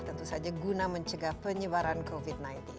tentu saja guna mencegah penyebaran covid sembilan belas